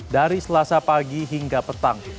dari selasa pagi hingga petang